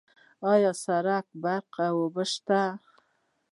آیا سرک، برق او اوبه شته؟